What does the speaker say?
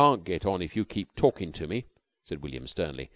"] "I can't get on if you keep talkin' to me," said William, sternly.